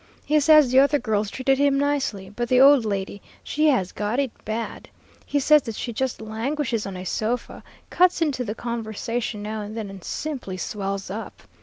He says the other girls treated him nicely, but the old lady, she has got it bad. He says that she just languishes on a sofa, cuts into the conversation now and then, and simply swells up.